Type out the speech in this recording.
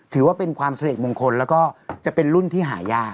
ถือว่าเป็นความเสด็จมงคลแล้วก็จะเป็นรุ่นที่หายาก